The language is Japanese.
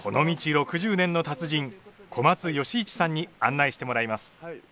６０年の達人小松恵一さんに案内してもらいます。